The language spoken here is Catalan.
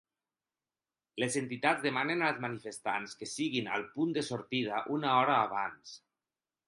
Les entitats demanen als manifestants que siguin al punt de sortida una hora abans.